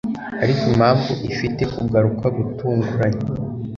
ariko impamvu ifite kugaruka gutunguranye